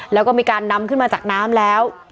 แล้วก็มีการนำขึ้นมาจากน้ำแล้ว